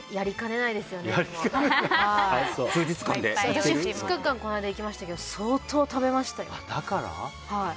私、２日間この間行きましたけど相当食べましたよ。